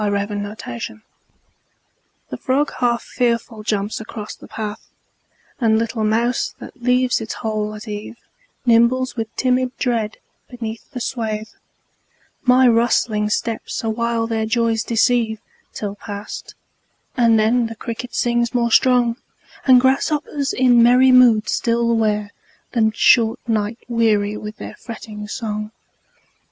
Summer Evening The frog half fearful jumps across the path, And little mouse that leaves its hole at eve Nimbles with timid dread beneath the swath; My rustling steps awhile their joys deceive, Till past, and then the cricket sings more strong, And grasshoppers in merry moods still wear The short night weary with their fretting song.